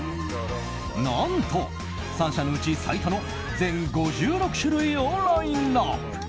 何と３社のうち最多の全５６種類をラインアップ。